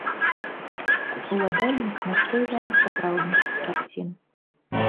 Уладальнік настойвае на сапраўднасці карцін.